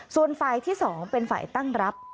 ส่วนฝ่ายที่๒เป็นฝ่ายตั้งรับ